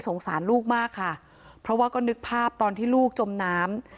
สารลูกมากค่ะเพราะว่าก็นึกภาพตอนที่ลูกจมน้ำ